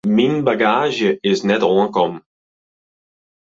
Myn bagaazje is net oankommen.